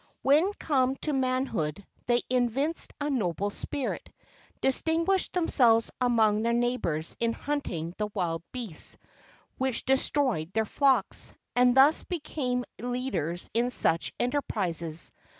When come to manhood, they evinced a noble spirit, distinguished themselves among their neighbours in hunting the wild beasts, which ITALY. 53 destroyed their flocks; and thus became leaders in such enterprises.